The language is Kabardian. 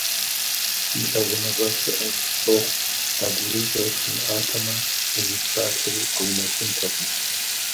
Сэ лъагъуныгъэр щыӀэу къысщохъу, а гурыщӀэр щымыӀатэмэ, езы псалъэри къэунэхунтэкъым.